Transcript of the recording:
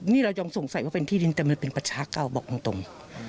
นี่เรายังสงสัยว่าเป็นที่ดินแต่มันเป็นประชาเก่าบอกตรง